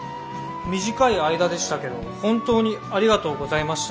「短い間でしたけど本当にありがとうございました。